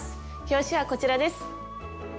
表紙はこちらです。